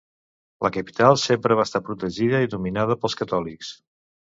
La capital sempre va estar protegida i dominada pels catòlics.